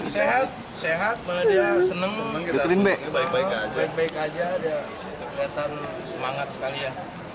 sehat sehat malah dia senang baik baik aja dia kelihatan semangat sekali ya